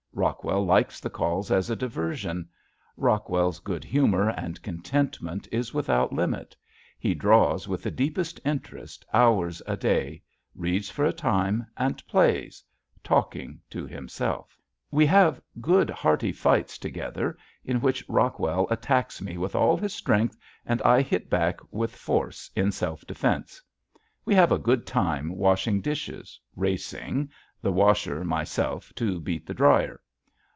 Rockwell likes the calls as a diversion. Rockwell's good humor and contentment is without limit. He draws with the deepest interest hours a day, reads for a time, and plays talking to himself. [Illustration: NIGHT] We have good hearty fights together in which Rockwell attacks me with all his strength and I hit back with force in self defense. We have a good time washing dishes, racing, the washer, myself, to beat the dryer.